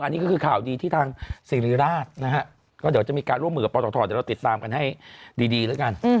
อันนี้ก็คือข่าวดีที่ทางสิริราชนะฮะก็เดี๋ยวจะมีการร่วมมือกับปศเดี๋ยวเราติดตามกันให้ดีแล้วกัน